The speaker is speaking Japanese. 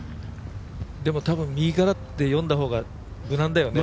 でも多分、右からで読んだ方が無難だよね。